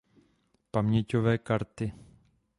Paměťové karty